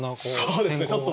そうですね。